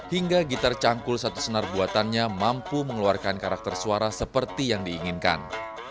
hingga gitar cangkul satu senar buatannya mampu mengeluarkan karakter suara seperti yang diinginkan